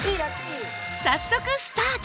早速スタート！